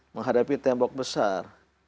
menghadapi tembok besar